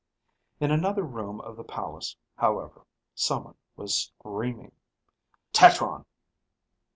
In another room of the palace, however, someone was screaming. "Tetron!"